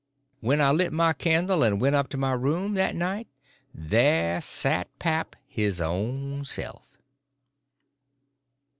When I lit my candle and went up to my room that night there sat pap his own self!